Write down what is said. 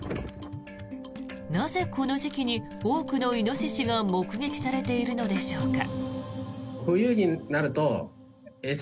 なぜ、この時期に多くのイノシシが目撃されているのでしょうか。